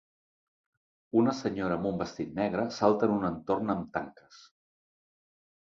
Una senyora amb un vestit negre salta en un entorn amb tanques.